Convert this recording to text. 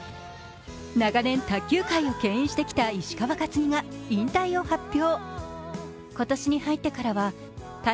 長年、卓球界をけん引してきた石川佳純が引退を発表。